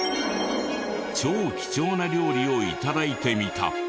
超貴重な料理を頂いてみた。